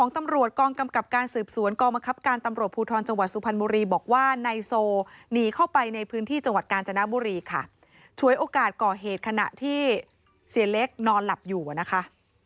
ตำรวจกองกำกับการสืบสวนกองบังคับการตำรวจภูทรจังหวัดสุพรรณบุรีบอกว่านายโซหนีเข้าไปในพื้นที่จังหวัดกาญจนบุรีค่ะฉวยโอกาสก่อเหตุขณะที่เสียเล็กนอนหลับอยู่นะคะ